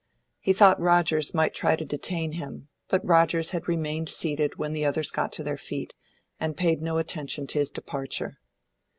He thought Rogers might try to detain him; but Rogers had remained seated when the others got to their feet, and paid no attention to his departure.